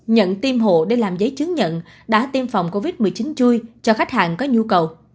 nhận tiêm hộ để làm giấy chứng nhận đã tiêm phòng covid một mươi chín chui cho khách hàng có nhu cầu